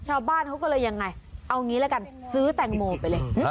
ชาวบ้านเขาก็เลยยังไงเอางี้ละกันซื้อแตงโมไปเลย